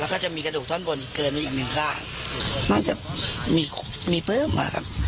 แล้วก็จะมีกระดูกท่อนบนเกินไปอีกหนึ่งร่างน่าจะมีมีปลื้มอ่ะครับ